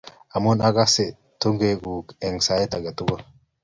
Amuchi akas tugengung eng sait age tugul